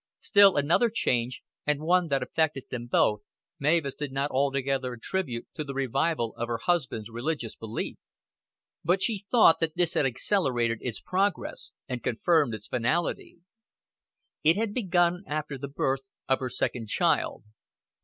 Still another change, and one that affected them both, Mavis did not altogether attribute to the revival of her husband's religious belief; but she thought that this had accelerated its progress and confirmed its finality. It had begun after the birth of her second child.